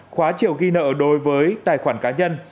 khóa chiều ghi nợ đối với tài khoản cá nhân